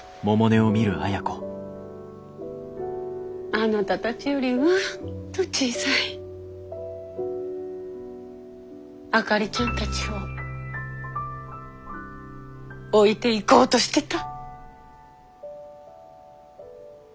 あなたたちよりうんと小さいあかりちゃんたちを置いていこうとしてた。